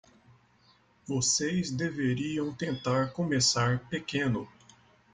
Vocês deveriam tentar começar pequeno.